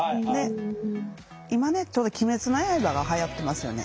今ねちょうど「鬼滅の刃」がはやってますよね。